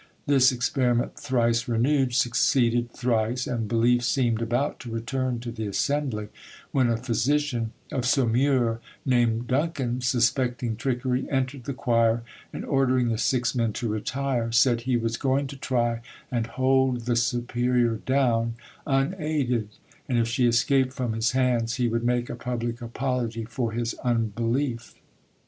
This experiment, thrice renewed, succeeded thrice, and belief seemed about to return to the assembly, when a physician of Saumur named Duncan, suspecting trickery, entered the choir, and, ordering the six men to retire, said he was going to try and hold the superior down unaided, and if she escaped from his hands he would make a public apology for his unbelief.